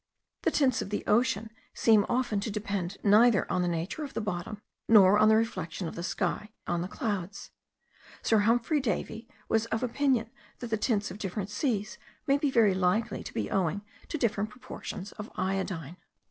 The tints of the ocean seem often to depend neither on the nature of the bottom, nor on the reflection of the sky on the clouds. Sir Humphrey Davy was of opinion that the tints of different seas may very likely be owing to different proportions of iodine.